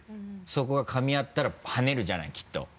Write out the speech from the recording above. そこがかみ合ったらはねるじゃないきっと。